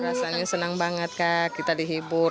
rasanya senang banget kak kita dihibur